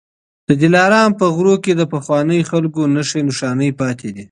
د دلارام په غرو کي د پخوانيو خلکو نښې نښانې پاتې دي